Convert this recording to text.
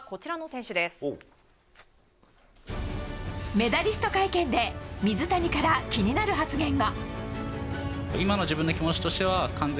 メダリスト会見で水谷から気になる発言が。